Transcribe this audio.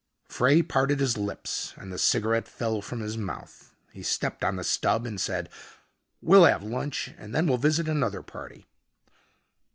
Frey parted his lips and the cigarette fell from his mouth. He stepped on the stub and said, "We'll have lunch and then we'll visit another party."